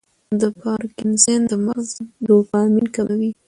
د پارکنسن د مغز ډوپامین کموي.